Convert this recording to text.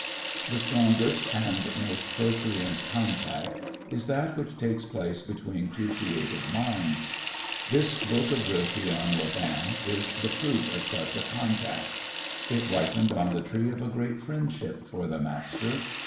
The strongest and most procreant contact is that which takes place between two creative minds. This book of Rilke on Rodin is the fruit of such a contact. It ripened on the tree of a great friendship for the master.